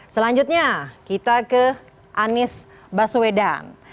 selanjutnya kita ke anies baswedan